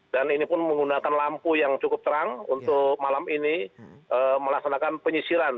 dan ini pun menggunakan lampu yang cukup terang untuk malam ini melaksanakan penyisiran